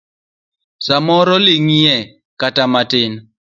Samoro ling'ie kata matin.